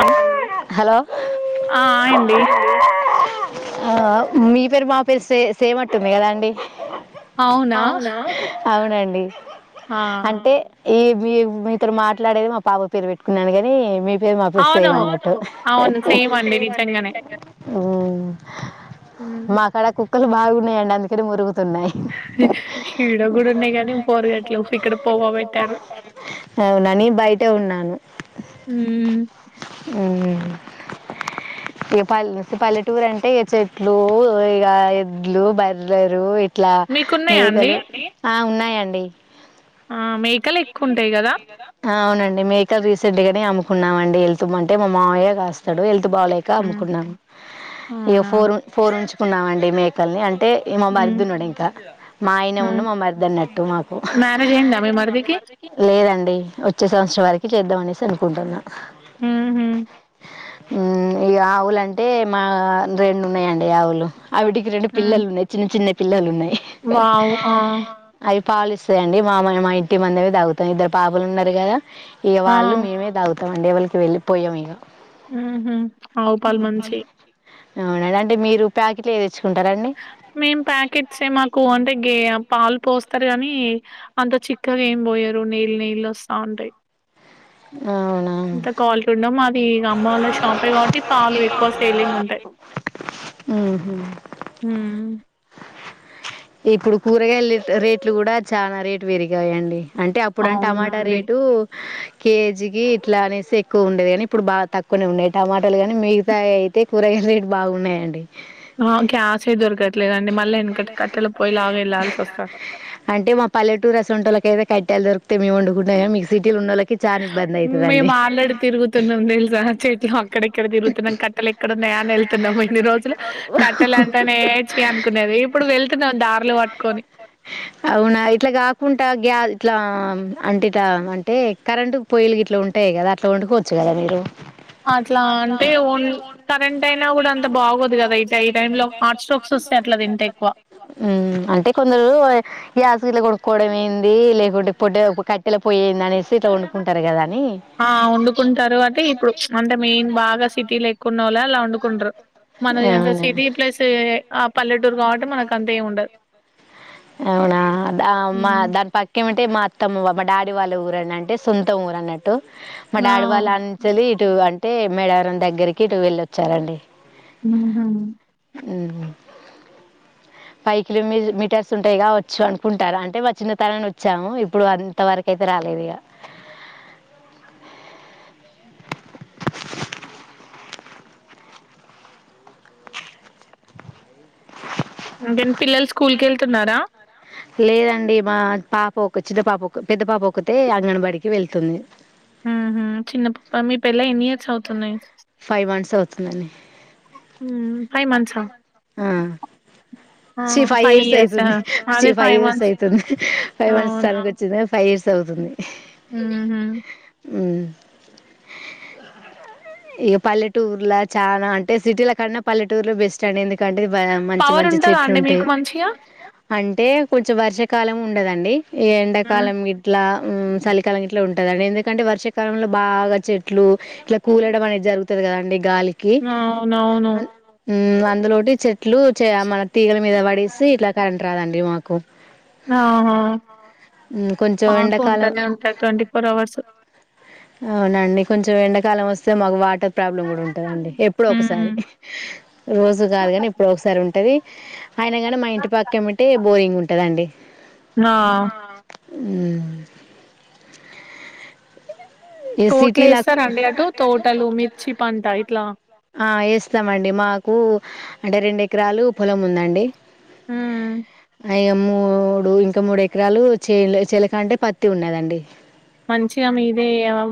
అన్ hello ఆ ఆ! అండి ఆ మీ పేరు మా పేరు సే సేమ్ అట్ ఉంది కదా అండి అవునా అవునండి ఆ అంటే ఈ మీ మీతోటి మాట్లాడేది మా పాప పేరు పెట్టుకున్నాను గాని మీ పేరు మా పేరు సేమ్ అవును అండి అవును అవును సేమ్ అండి నిజంగానే మ్ హ్మ్. మాక్కడ కు క్కలు బాగున్నాయండి అందుకని మొరుగు ఈడ కూడా ఉన్నాయి కాని మొరగట్లేవు ఇక్కడ పోగబెట్టారు అవునా నేను మ్ ఊ ఇక పల్లె పల్లెటూరు అంటే ఇక చెట్లు ఇక ఎడ్లు బర్రెలు ఇ ట్లా మీకున్నాయా అండి ఈగలు ఆ ఉన్నా యి అండి ఆ మేకలు ఎక్కువ ఉంటాయి కదా ఆ అవునండి మేకలు రీసెంట్ గానే అమ్ముకున్నామండి హెల్త్ అంటే మా మావయ్య కాస్తాడు హె ల్త్ బాలేక అమ్ముకున్నాము ఇగ అవునా ఫోర్ ఫోర్ ఉంచు కున్నామండి మేకల్ని అం టే మా హ్మ్ మరిది ఉన్నాడు ఇంకా మా ఆయనే ఉండు హ్మ్ మా మరిది అన్నట్టు మాకు మ్యారేజ్ అయిందా మీ మి మరిదికి మరిది కి లేదం డి వచ్చే సంవత్సరం వరకి చేద్దాం అనేసి అనుకుంటున్నా మ్ హూ మ్ ఈ ఆవులంటే మా రెండు ఉన్నాయండి ఆవులు ఆవిటికి రెండు పిల్లలు ఉన్నాయి చిన్న చిన్న పిల్లలు ఉన్నాయి వావ్ ఆ పాలిస్తాయండి మా మాయ మా ఇట్టి మందవి తాగుతాయి ఇద్దరు పాపలు ఉన్నారు కదా ఇగ ఆ వాళ్ళు మేమే తాగుతామండి ఎవళకి వెళ్ళిపోయాం ఇగ ఉహూ ఆవు పాలు మంచియి అవునా అంటే మీరు ప్యాకిట్ లవి తెచ్చు మేం ప్యాకెట్సే మాకు అంటే గే పాలు పో స్తారు కానీ అంత చిక్కగా ఏమి పోయారు నీళ్ళు నీళ్ళు వస్తా ఉంటాయి అవునా ఇంత క్వాలిటీ ఉండవు మాది ఇగ అమ్మ వాళ్ళ షాపే కాబట్టి పాలు ఎక్కువ సేలింగ్ ఉంటాయి మ్హూ. మ్ ఇప్పుడు కూరగాయల రేట్లు కూడా చానా రేటు పెరిగాయండి అంటే అప్పుడ టమాటా అవునండి రేటు కేజీకి ఇట్లా అనేసి ఎక్కువ ఉండేదు కానీ ఇప్పుడు బాగా తక్కువనే ఉన్నాయి టమాటాలు కానీ మిగతా అయితే కూరగాయలు రేటు బాగున్నాయంండి ఆ గ్యాసే దొరకట్లేదండి మళ్ళీ ఎందుకంటే కట్టెలు అంటే మా పల్లెటూరసంటోల్లకైతే క కట్టెలు దొరుకుతాయి మేం వండుకుం మేము ఆళ్లు రోజులు అవునా ఇట్లా కాకుంటా గ ఇలా అంటిట అంటే కరెంటు పొయ్యలుకి ఇట్లా ఉంటాయి కదా అట్లా వండుకోవచ్చు కదా మీరు. అట్లా అంటే ఓన్ కరెంట్ అయినా కూడా అంత బాగోదు కదా ఇ ఈ టైంలో హార్ట్ స్ట్రోక్స్ వస్తాయి అట్లా తింటే ఎక్కువ అంటే కొందరు గ్యాసుగిట్లా కొనుక్కోవడం ఏంది లేకుంటే పొట్టే కట్ ఆ వండుకుంటారు అంటే ఇప్పుడు అంటే మెయిన్ బాగా సిటీలు ఎక్కున్న వాళ్ళ అలా ఉ వొండుకుంటరు మనది అంత అవునా సిటీ ప్లేస్ ఆ పల్లెటూరు కాబట్టి మనకు అంత ఏ ఉండదు. ఉండదు అవునా తమ మా డాడి వల్ల ఊరని అంటే సొంత ఊరు అన్నట్టు. మా ఆ డాడీ వాళ్ళు అంచలి ఇటు అంటే మేడవరం దగ్గరికి ఇటు వెళ్ళ వచ్చారండి. హుహు ఫైవ్ కిలోమ మీటర్స్ ఉంటాయిగా వచ్చు అనుకుంటారు అంటే మా చిన్నతరాన్ని వచ్చాము ఇప్పుడు అంతవరకు అయితే రాలేదు ఇగ. అంటేను పిల్లలు స్కూల్ క వెళ్తున్నారా. లేదండి మా పాప ఒక చిన్న పాప ఒక పెద్ద పాప ఒకతే అంగన్వాడికి వెళ్తుంది. చిన్నపప్ప మీ పెల్ల ఎన్ని ఇయర్స్ అవుతున్నాయి. స్తు [unintelligible] హ ఆ చి ఫైవ్ ఇయర్స్ అవుతుంది చి అదే ఫైవ్ ఇయర్స్ మంత్స్ అయితుంది ఫైవ్ మంత్స్ వచ్చింది ఫై ఫవ్ ఇయర్స్ అవుతుంది ఊహూ హ్మ్ ఇక పల్లెటూర్లో చానా అంటే సిటీల కన్నా పల్లెటూర్లే బెస్ట్ [unintelligible] మంచి పవర్ మంచి చె ఉంటదా అండి మీకు మంచిగా అంటే కొంచెం వర్షకాలం ఉండదండి ఈ ఎండాకాలం గిట్లా హ్మ్ చలికాలం ఇట్లా ఉం ఉంటదండి ఎందుకంటే వర్షాకాలంలో బాగా చె ట్లు ఇట్లా కూలడం అనేది జరుగు వత్తదిగా అండి గాలికి అవునవును హ్మ్ అందులో ఒకటి చెట్లు చేమ [inaudible] మీద పడేసి ఇట్ల కరెంట్ రాదండి మాకు ఆహా మ్మ్ కొంచెం మాకు ఎండాకాలం ఉంటనే ఉంటాయి ట్వంటీ ఫోర్ అవర్స్ అవునండి కొంచెం ఎండాక్ కాలం వస్తే మకు వాటర్ ప్రాబ్లం కూడా ఉంటందండి ఎప్పుడో ఒకసారి ఉమ్. రోజు కాదు కాని ఇప్పుడ ఒకసారి ఉంట టది అయిన గానీ మా ఇంటి పక్కేమిటే బోరింగ్ ఉంటదండి ఆ నా మ్మ్ ఏ తోటలు సిటీలాక్ వేస్తారండి అటు తోటలు మిర్చి పంట ఇట్లా ఆ ఎస్స్తామండి మాకు అంటే రెండె కరాలు పొలం ఉందండి మ్మ్ అయ మూడు ఇంకా మూడు ఎకరాలు చెన్ల చెలక అంటే పత్తి ఉన్నాదండి మంచిగా మీదే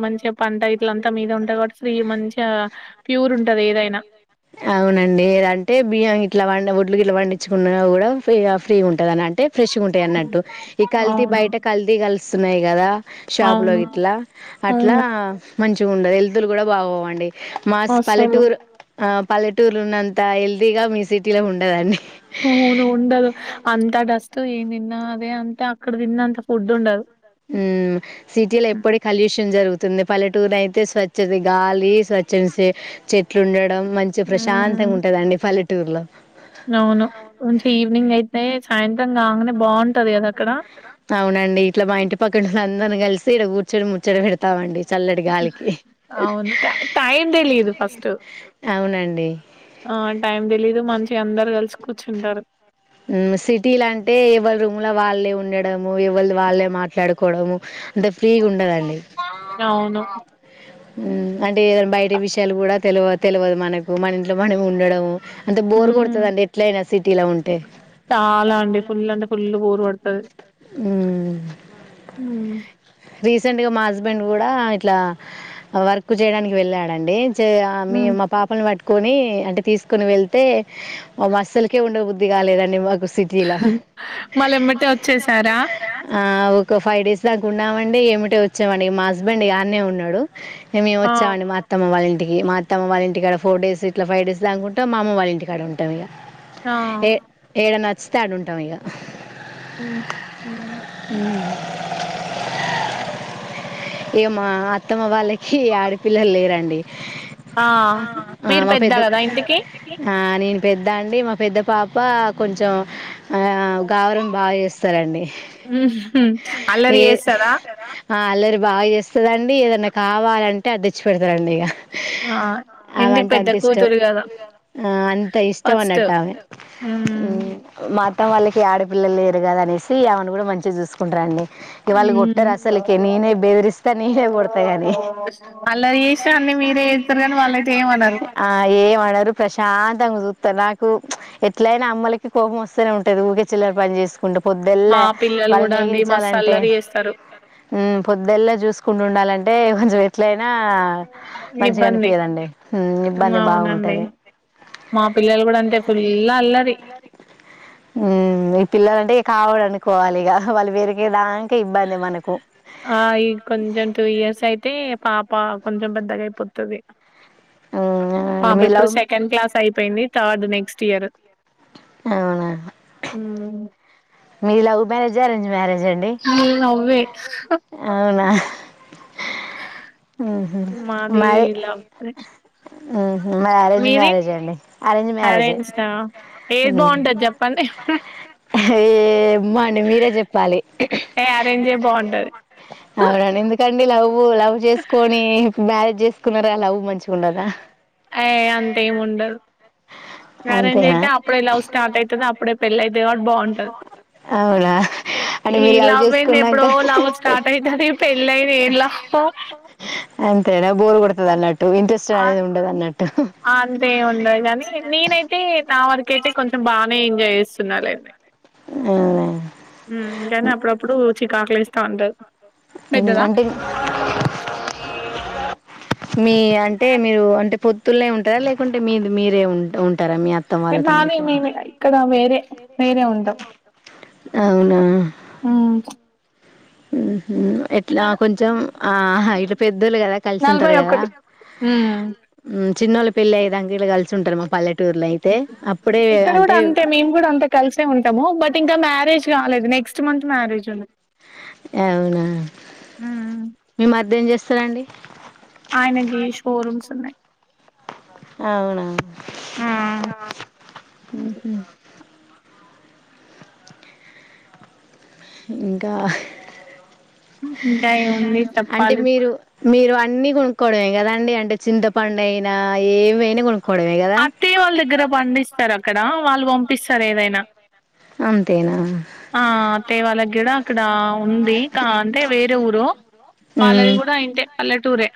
మంచి చె పంట ఇట్లంతా మీద ఉంటయి కాట్టి స్త్రీ మంచ ప్యూర్ ఉంటది ఏదైనా అవునండి ఇదంటే బియ్యం ఇట్లా ఒడ్లు గిట్లా పండించుకున్న కూడా ఫ్రీగా ఫ్రీ ఉంటదనంటే ఫ్రెష్ గుంటాయి అన్నట్టు ఈ కల్తీ అవును బయట కల్తి కలి సున్నయ్ కదా షాపు లో అవును ఇట్లా అట్లా అవును మంచిగా ఉండదు హెల్త్ లు కూడా బాగోవండి మాస్ అసలు పల్లెటూరు ఆ పల్లెటూరులు ఉన్నంత హెల్దీగా మీ సిటీలో ఉండదండి వును ఉండదు అంత డస్ట్ ఏం తిన్నా అదే అంత అక్కడ తిన్న అంత ఫుడ్ ఉండదు ఉ సిటీలో ఎప్పుడ కలుష్యం జరుగు తుంది పల్లెటూరునైతే స్వచ్ఛత గాలి స్వచ్ఛని సే చెట్లు ఉండడం మంచి ప్రశాంతంగా మ్మ్ ఉంటదండి పల్లెట్ టూర్ల అవును నుంచి ఈవినింగ్ అయితే సాయంత్రం కాంగనే బాన్ అవునండి ఇట్లా మా ఇంటి పక్కన అందర్నీ కలిసి సీ ఈడ కూర్చొని ముచ్చట పెడతామండి చల్లటి గాలికి. అవును టై టైం తెలీదు ఫస్ట్ అవునండి. ఆ టైం తెలీదు మంచిగా అందరు కలుసు కూచ్చుంటారు మ్మ్ సిటీలా అంటే ఏవల్ రూమ్ లో వాళ్ళే ఉండడము ఎవల్ వాళ్ళే మాట్లాడుకోవడము అంటే ఫ్రీగుండదండి అవును మ్మ్ అంటే ఏదనా బయటీ విషయాలు కూడా తెలవ తెలవదు మనకు మన ఇంట్లో మనం ఉండడం అంత హ బోర్ కొడుతుందండి ఎట్లయినా సిటీలో ఉంటే చాలా అండి ఫుల్ అంటే ఫుల్ బోర్ కొడుతుంది ఉమ్. ఉ రీసెంట్లీగా మా హస్బెండ్ కూడా ఇట్లా వర్క్ చేయడానికి వెళ్ళాడండి చే ఆ మీ మ్మ్ మా పాపని పట్టుకో కొని అంటే తీసుకొని వెళ్తే మస్సలకే ఉండే బుద్ధి కాలేదండి సిటీలో మల్లెమటే వచ్చేసారా ఒక ఫైవ్ డేస్ ఉన్ ఉన్నామండి ఎమ్మటే వచ్చామండి మా హస్బెండ్ ఇగ ఆన్నే ఉన్నాడు ఈ మేము ఆ వచ్చామండి మా అత్తమ్మ వాళ్ళంటి ఈ మా అత్తమ్మ వాళ్ళ ఇంటికాడ ఫోర్ డేస్ ఇట్లా ఫైవ్ డేస్ లాగా ఉంటాం మా అమ్మ వాళ్ళ ఇంటికాడ ఉంటాం ఇగ ఆ ఏ ఏడ నా స్టాడ్ ఉంటాం ఇక హ హ ఈగ మా అత్తమ్మ వాళ్ళకి ఆడపిల్లలు లేరండి ఆ ఆ మీరు మా పెద్ద కదా ఇంటికి ఆ నేను పెద్ద అండి మా పెద్ద పాప కొంచెం ఆ గవరం బాగా చేస్తారండి సరి ఏ వేస్తార ఆ అల్లరి బాగా చేస్తందిండి ఏదన్నా కావాలంటే అది తెచ్చి పెడతారండి ఇక ఆ! ఆమె ఎందుకు అంటే పెద్ద అంత ఇష్టం కూతురు గదా! అంత ఇష్టం ఫస్ట్. అన్నట్టు ఆమె హ్మ్. మా మొత్తం వాళ్ళకి ఆడపిల్లలు లేరు కదనేసి ఆమెను కూడా మంచిగాూసుకుంటాండి బెదిరిస్తా నేనే కొడతా గాని వాళ్ళది చేష్టం అడి మీరే ఇస్తారు కానీ వాళ్ళయితే ఏయమన్నారు ఆ ఏమనరు ప్రశాంతంగా చూత్తరు నాకు ఎట్లయినా అమ్మలకి కోపం వస్తేనే ఉంటది ఊకే చిల్లలు పని చేసుకు ఉంటే పొద్దుళ్ళ మా పిల్లలు వాళ్ళని గూడా అండి మస్తు వేగించాలంటే అల్లరి చేస్తారు. ే పొద్దులా చూసుకుంటు ఉండాలంటే అజ ఎట్లయినా మంచిగా ఇబ్బంది. అనిపించదండి హ్మ్. ఇబ్బంది అవునండి. బాగుంటది మా పిల్లలు గూడా అంతే ఫుల్ అల్లరి. ఈ పిల్లల అంటే కావడానికి పోవాలిగా వాళ్ళి పేరుకిేదా ఆ ఈ కొంచెం టూ ఇయర్స్ అయితే పాప కొంచెం పెద్దగా అయిపోతుది హ్మ్. బబ మీ ఇప్పుడు లవ్ సెకండ్ క్లాస్ అయిపోయింది థర్డ్ నెక్స్ట్ టియారు అవునా మీది లవ్ మ్యేజ అరంజ్ మ్యేజ్ న నవ్వే అవునా ఉ మాది మరి లవ్ మరి అరేంజ్ మీది మ్యారేజే అండి అరేంజ్ మ్యారేజే ఏది బాగుంటది చెప్పండి ఏ ఇమ అండి మీరే చెప్పాలి ఏ అరేంజే బాగుంటది అవునా నిందు కంలావు లవ్ చేసుకొని మ్యారేజ్ చే తీసుకున్నారు అలా అవ్వు మంచిగా ఉండదా ఆ అంతము ఉండ అంతేనా స్టార్ట్ అయితది అప్పుడే పెళ్లి అయితది కాబట్టి బాగుంటది అవునా అంటే ఈ మీరు లవ్ ఏంది చేసుకున్నాక ఎప్పుడో లవ్ స్టార్ట్ అయితది పెళ్ళైంది ఏం లవ్ అంతేనా బోరు కొడుతుంది అన్నట్టు ఇంట్రెస్ట్ అనేది ఉండదు అన్నట్టు అంతే ఉండదు కానీ నీ నేనైతే నా వరకయితే కొంచెం బాగానే ఎంజాయ్ చేస్తున్నానుండి అవునా? కనీ ప్రప్పుడు అంట మీ అంటే మీరు అంటే పొత్తులేనే ఉంటారా లేకుంటే మీ మీరే ఉంట ఉ ఉంటారా మీ అత్తం వాళ్ళతో నానే ఇట్లా మేమి ఇక్కడ వేరే వేరే ఉంటాం ఇట్లా కొంచెం ఆ ఇట్ పెద్దోళ్ళ కదా కలిసి నలభై ఉంటారు కదా ఒకటి హ్మ్ చిన్నల పిల్లయి దంగలు క ఇక్కడ కూడా అంటే అంతే మేము కూడా అంతే కలిసే ఉంటాము బట్ ఇంకా మ్యారేజ్ కాలేదు నెక్స్ట్ మంత్ మ్యారేజ్ ఉంది అవునా హ్మ్ మీ మధం చేస్త ఇస్తరండి ఆయనకి షోరూమ్స్ ఉన్నాయి అవునావు హ్మ్ ఇంకా ఉంటాయి ఓన్లీ అంటే చెప్పాలి మీరు మీరు అన్నిీ కొనుక్కోవడమే కదండి అంటే చింతపండు అయినా ఏ అత్తయ్య వాళ్ళ దగ్గర పండిస్తారు అక్కడ వాళ్ళు పంపిస్తారు ఏదైనా అంతేనా ఆ తేవాల గిడ అక్కడ ఉంది అంటే వేరే ఊరు వాలవి మ్మ్ కూడా ఇంతే పల్లెటూరే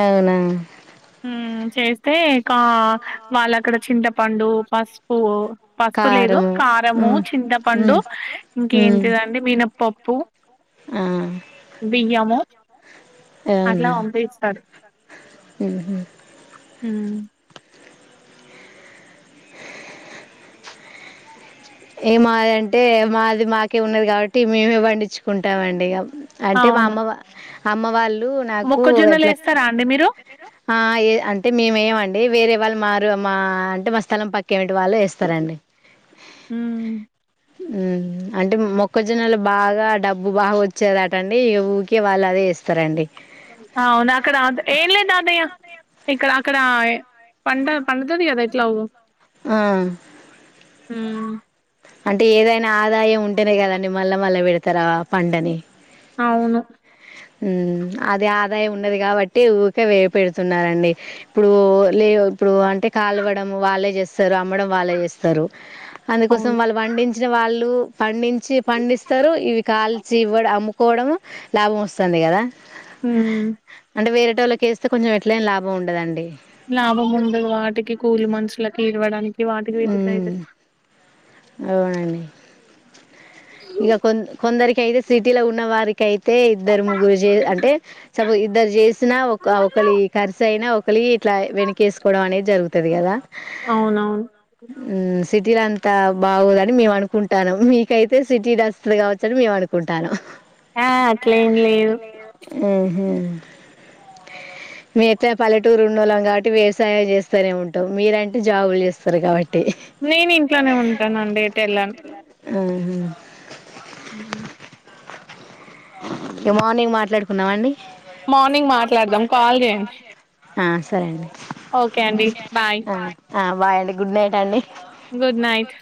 అవునా ఉమ్ చేస్తే ఇకా వాళ్ళ అక్కడ చింట ప్ పండు పసుపు పసుపు లేదు కారము కారము మ్మ్ చింతపండు మ్మ్ మ్మ్ ఇంకేంటిదండి మిన పప్పుూ ఆ బియ్యమో అట్లా వంపి ఇస్తాడు హూ హు హుమ్ ఏ మాది అంటే మాది మాకే ఉన్నది కాబట్టి మేమే పండించుకుంటామండి ఇగ అంటే మా అవును. అమ్మ వా అమ్మ వాళ్ ళ్ళు నాకు అట్లా మొక్కజొన్నలేస్తారా అండి మీరు? ఆ అంటే మేం వెయ్యం అండి వేరే వాళ్ మారు మా అంటే మా స్థలం పక్ క్క ఇంటి వాళ్ళు వేస్తారండి హ్మ్ మ్మ్ అంటే మొక్కజొన్నలు బాగా డబ్బు బాగా వచ్చేదట అండి ఊకే వాళ్ళు అదే ఏస్తారండి అవును అక్కడ ఏం లేదు తాతయ్య ఇక్కడ అక్కడ పంట పండుతుంది కదా ఎట్లా గు ఆ హుమ్ అంటే ఏదైనా ఆదాయం ఉంటేనే కదాండి మళ్ళా మళ్ళా పెడతారా పంటని అవును ఉమ్ అది ఆదాయం ఉన్నది కాబట్టి ఊరికే వే పెడుతున్నారంండి ఇప్పుడు లే ఇప్పుడు అంటే కాలువడం వాళ్ళే చేస్తారు అమ్మడం వాళ్ళే చేస్తారు అందుకోసం అవును. వాళ్ళు వండించిన వాళ్ళు పండించి పండిస్తారు ఇవి కాల్చి ఇవ్వ అమ్ముకోవడం లాభం వస్ స్తుంది కదా మ్మ్ టే వేరేటోళ్లకు వేస్తే కొంచెం ఎట్లేనా లాభం ఉండదండి లాభం ఉండదు వాటికి కూలి మనుషులకి ఇవ్వడానికి వాటికి వీటి కైతే హ్మ్. అవునండి ఇక కొ కొందరికి అయితే సిటీలో ఉన్న వారికియితే ఇద్దరు ముగ్గురు చే అంటే సపో్ ఇద్దరు చేసినా ఒక ఒకళ ఖర్చ అయినా కొలి ఇట్లా వెనుక వేసుకోవడం అనేది జరుగుతుది కదా అవునవును. సిటీలా అంత బాగుదని మేము అనుకుంటాను మీకైతే సిటీ రస్తులు కావచ్చ అని మేము అనుకుంటాను ఆ అట్లేం లేదు ఆహ మీ ఎట్లా పల్లెటూరు ఉన్న వాళ్ళం కాబట్టి వ్యవసాయం చేస్తనే ఉంటావు మీరంటే జాబులు చేస్తారు కాబట్టి నేను ఇంట్లోనే ఉంటాన అండితే వెళ్ళాను ఆ ఉ ఇ మార్నింగ్ మాట్లాడుకున్నామ అండి మార్నింగ్ మాట్లాడదాం కాల్ చేయండి ఆ సరే అండి ఓకే అండి బాయ్ బా్ అండి గుడ్ నైట్ అండి గుడ్ నైట్